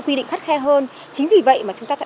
quy định khắt khe hơn chính vì vậy mà chúng ta sẽ